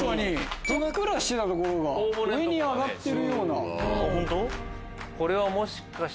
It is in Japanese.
ふっくらしてた所が上に上がってるような。